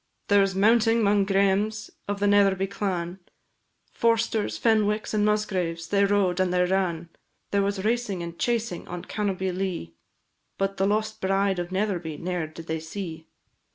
There was mounting 'mong Græmes of the Netherby clan; Forsters, Fenwicks, and Musgraves, they rode and they ran: There was racing, and chasing, on Cannobie Lea, But the lost bride of Netherby ne'er did they see.